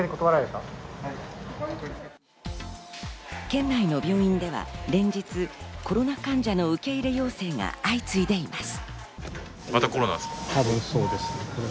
県内の病院では連日、コロナ患者の受け入れ要請が相次いでいます。